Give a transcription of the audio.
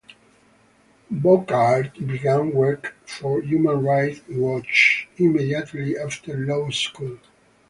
Bouckaert began work for Human Rights Watch immediately after law school.